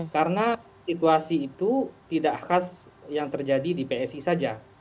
karena situasi itu tidak khas yang terjadi di psi saja